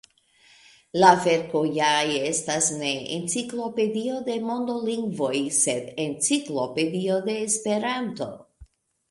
La verko ja estas ne enciklopedio de mondolingvoj, sed Enciklopedio de Esperanto.